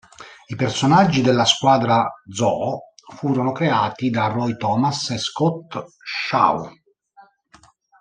I personaggi della Squadra Zoo furono creati da Roy Thomas e Scott Shaw.